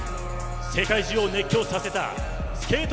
世界中を熱狂させたスケート